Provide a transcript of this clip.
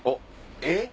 えっ？